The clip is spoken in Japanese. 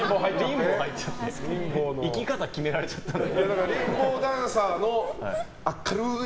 生き方決められちゃったので。